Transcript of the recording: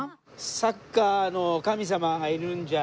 サッカーの神様がいるんじゃ。